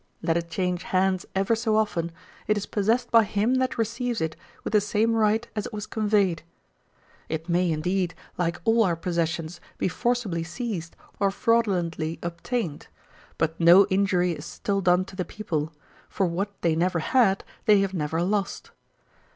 Let it change hands ever so often, it is possessed by him that receives it with the same right as it was conveyed. It may, indeed, like all our possessions, be forcibly seized or fraudulently obtained. But no injury is still done to the people; for what they never had, they have never lost.